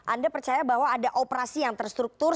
anda percaya bahwa ada operasi yang terstruktur